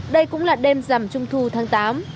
đây cũng là đêm giảm trung thu tháng tám